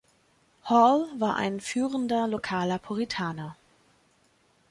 Hall war ein führender lokaler Puritaner.